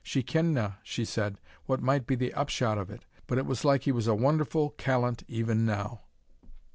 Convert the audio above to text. She kendna," she said, "what might be the upshot of it, but it was like he was a wonderfu' callant even now."